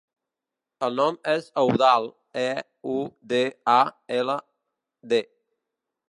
El nom és Eudald: e, u, de, a, ela, de.